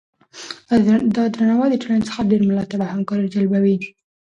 دا درناوی د ټولنې څخه ډیر ملاتړ او همکاري راجلبوي.